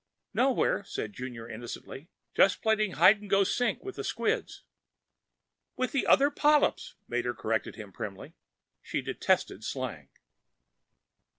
"Nowhere," said Junior innocently. "Just playing hide and go sink with the squids." "With the other polyps," Mater corrected him primly. She detested slang.